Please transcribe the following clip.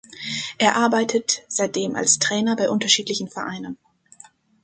Er arbeitet seitdem als Trainer bei unterschiedlichen Vereinen.